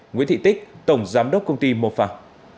nguyễn thị tích tổng giám đốc công ty mô phạm